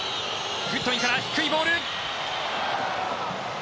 グッドウィンから低いボール。